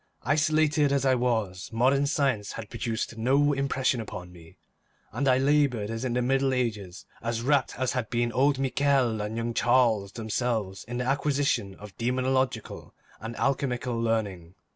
Isolated as I was, modern science had produced no impression upon me, and I laboured as in the Middle Ages, as wrapt as had been old Michel and young Charles themselves in the acquisition of demonological and alchemical learning.